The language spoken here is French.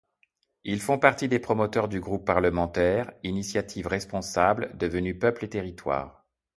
Ils font partie des promoteurs du groupe parlementaire Initiative responsable devenu Peuple et territoire.